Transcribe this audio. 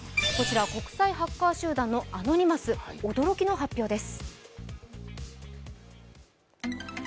国際ハッカー集団のアノニマス驚きの発表です。